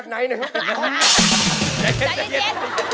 ใจเย็น